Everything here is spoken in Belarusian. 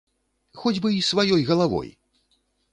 Хоць бы і сваёй галавой!